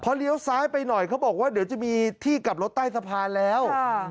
เลี้ยวซ้ายไปหน่อยเขาบอกว่าเดี๋ยวจะมีที่กลับรถใต้สะพานแล้ว